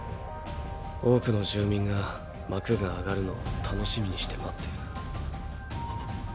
多くの住民が幕が上がるのを楽しみにして待っている。！